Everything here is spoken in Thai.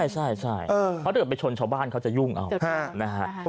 ใช่เขาเดินไปชนชาวบ้านเขาจะยุ่งเอานะฮะ